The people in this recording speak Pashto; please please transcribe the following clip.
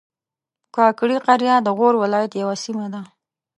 کاکړي قریه د غور ولایت یوه سیمه ده